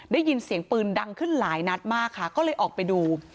ได้ยินเสียงปืนดังขึ้นหลายนัดมากค่ะก็เลยออกไปดู